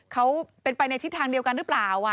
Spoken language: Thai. เขาเป็นไปในทิศทางเดียวกันหรือเปล่า